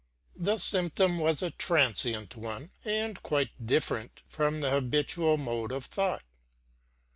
The symptom was a transient one, arid quite different from the habitual mode of thought.